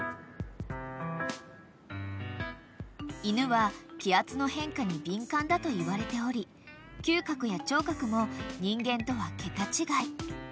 ［犬は気圧の変化に敏感だといわれており嗅覚や聴覚も人間とは桁違い］